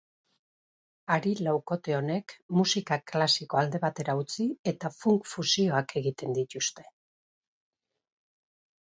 Hari laukote honek musika klasikoa alde batera utzi eta funk fusioak egiten dituzte.